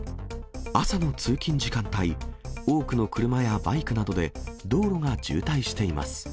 朝の通勤時間帯、多くの車やバイクなどで道路が渋滞しています。